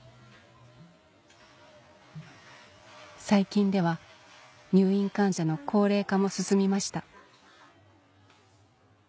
最近では入院患者の高齢化も進みました